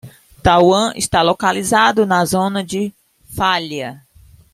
Taiwan está localizado na zona de falha